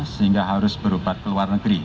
sehingga harus berobat ke luar negeri